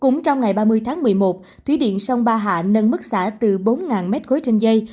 cũng trong ngày ba mươi tháng một mươi một thủy điện sông ba hạ nâng mức xả từ bốn m ba trên dây